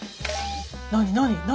何何？